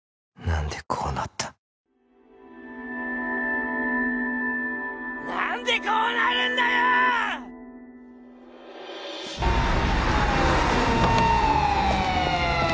何でこうなった何でこうなるんだよー！